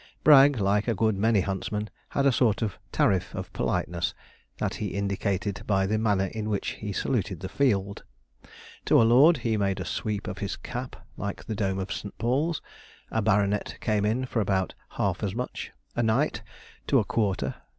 Bragg, like a good many huntsmen, had a sort of tariff of politeness, that he indicated by the manner in which he saluted the field. To a lord, he made a sweep of his cap like the dome of St. Paul's; a baronet came in for about half as much; a knight, to a quarter.